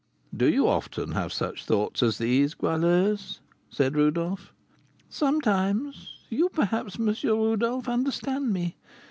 "Do you often have such thoughts as these, Goualeuse?" said Rodolph. "Sometimes. You, perhaps, M. Rodolph, understand me.